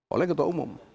oleh ketua umum